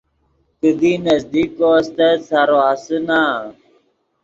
کیدی نزدیک کو استت سارو آسے نا۔